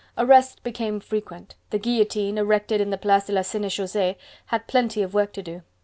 Arrest became frequent: the guillotine, erected in the Place de la Senechaussee, had plenty of work to do.